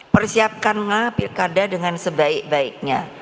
persiapkanlah pilkada dengan sebaik baiknya